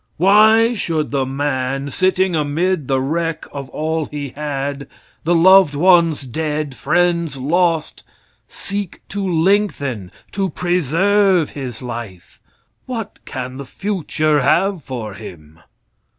Why should the man, sitting amid the wreck of all he had, the loved ones dead, friends lost, seek to lengthen, to preserve his life? What can the future have for him?